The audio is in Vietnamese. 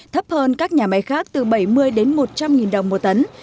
thấp hơn các nhà máy khác từ bảy mươi đến một trăm linh đồng một tấn